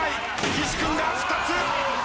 岸君が２つ。